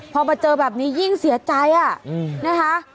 พอมาเจอแบบนี้ยิ่งเสียใจนะคะ